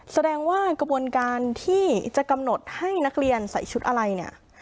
แสดงว่ากระบวนการที่จะกำหนดให้นักเรียนใส่ชุดอะไรเนี่ย